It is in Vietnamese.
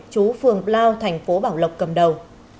chú phường lao thành phố bảo lộc cầm đầu